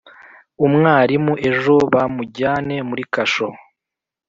umwarimu ejo bamujyane muri kasho